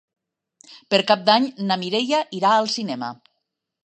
Per Cap d'Any na Mireia irà al cinema.